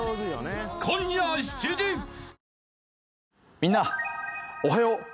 みんなおはよう！